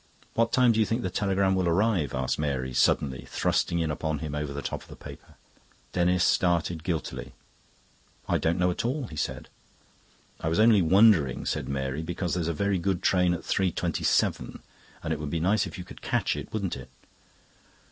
"What time do you think the telegram will arrive?" asked Mary suddenly, thrusting in upon him over the top of the paper. Denis started guiltily. "I don't know at all," he said. "I was only wondering," said Mary, "because there's a very good train at 3.27, and it would be nice if you could catch it, wouldn't it?"